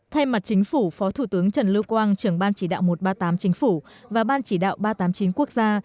thay mặt chính phủ phó thủ tướng trần lưu quang trưởng ban chỉ đạo một trăm ba mươi tám chính phủ và ban chỉ đạo ba trăm tám mươi chín quốc gia